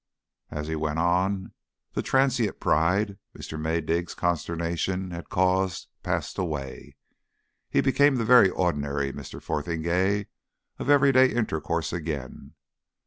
As he went on, the transient pride Mr. Maydig's consternation had caused passed away; he became the very ordinary Mr. Fotheringay of everyday intercourse again.